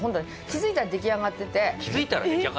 気づいたら出来上がってるの？